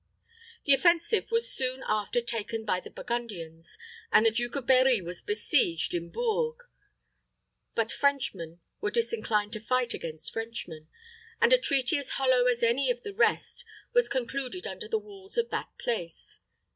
The offensive was soon after taken by the Burgundians, and the Duke of Berri was besieged in Bourges; but Frenchmen were disinclined to fight against Frenchmen, and a treaty as hollow as any of the rest was concluded under the walls of that place.